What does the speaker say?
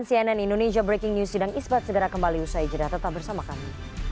indonesia breaking news sedang ispat segera kembali usai jeda tetap bersama kami